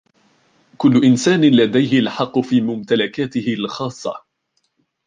كل إنسان لديهِ الحق في ممتلكاتهِ الخاصة.